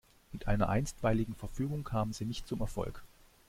Mit einer Einstweiligen Verfügung kamen sie nicht zum Erfolg.